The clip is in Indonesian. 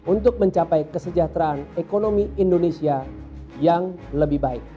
untuk mencapai kesejahteraan ekonomi indonesia yang lebih baik